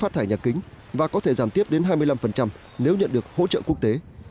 phát thải nhà kính và có thể giảm tiếp đến hai mươi năm nếu nhận được hỗ trợ quốc tế